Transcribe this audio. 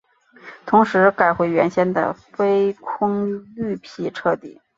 同时改回原先的非空绿皮车底。